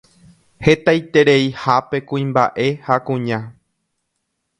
hetaitereihápe kuimba'e ha kuña